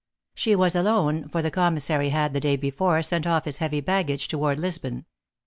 She was alone, for the Commissary had, the day Before, sent off his heavy baggage toward Lisbon.